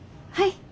はい。